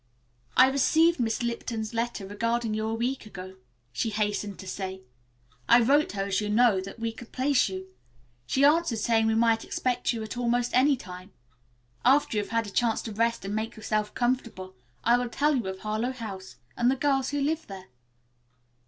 "I received Miss Lipton's letter regarding you a week ago," she hastened to say. "I wrote her, as you know, that we could place you. She answered saying we might expect you at almost any time. After you have had a chance to rest and make yourself comfortable I will tell you of Harlowe House and the girls who live there."